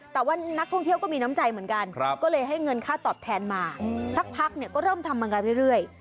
แต่ว่านักท่องเที่ยวก็มีน้ำใจเหมือนกันก็เลยให้เงินค่าตอบแทนมาสักพักก็เริ่มทำมางานเรื่อย